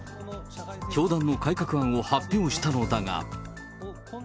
教団の改革案を発表したのだが。